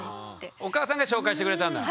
お母さんが紹介してくれたんだ。